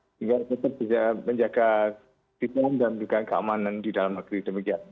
sehingga kita bisa menjaga bidang dan keamanan di dalam negeri demikian